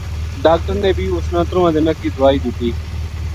ڈاکٹڑ نے بھی اس نا ترواں دِناں کی دائی دِتی